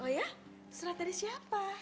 oh ya serat dari siapa